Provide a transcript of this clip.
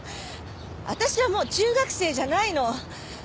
私はもう中学生じゃないの。